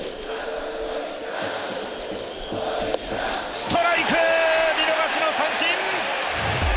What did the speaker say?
ストライク、見逃しの三振！